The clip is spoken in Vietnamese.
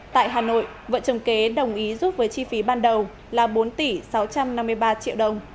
tại hà nội vợ chồng kế đồng ý giúp với chi phí ban đầu là bốn tỷ sáu trăm năm mươi ba triệu đồng